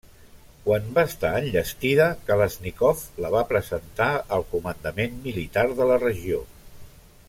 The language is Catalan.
Quan va estar enllestida, Kalàixnikov la va presentar al comandament militar de la regió.